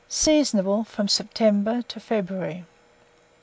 Seasonable from September to February.